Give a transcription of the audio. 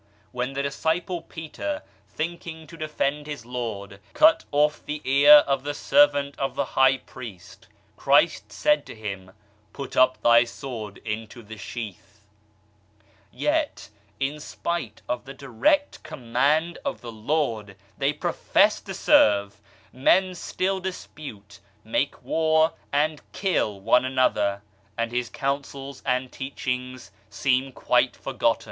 When the disciple Peter, think ing to defend his Lord, cut off the ear of the servant of the High Priest, Christ said to him :" Put up thy sword into the sheath/ 1 1 Yet, in spite of the direct command of the Lord they profess to serve men still dispute, make war, and kill one another, and His counsels and teachings seem quite forgotten.